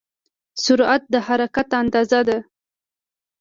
سرعت د حرکت اندازه ده.